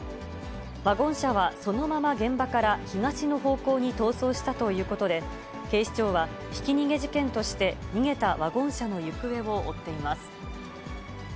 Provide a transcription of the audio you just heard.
ワゴン車はそのまま現場から東の方向に逃走したということで、警視庁はひき逃げ事件として、逃げたワゴン車の行方を追っています。